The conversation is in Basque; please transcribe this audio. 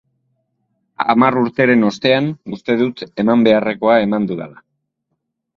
Hamar urteren ostean, uste dut eman beharrekoa eman dudala.